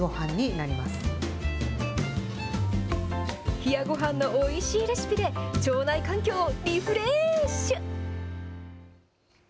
冷やごはんのおいしいレシピで、腸内環境、リフレッシュ！